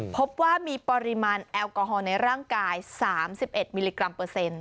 พบว่ามีปริมาณแอลกอฮอลในร่างกาย๓๑มิลลิกรัมเปอร์เซ็นต์